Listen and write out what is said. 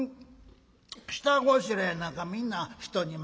下ごしらえなんかみんな人に任せて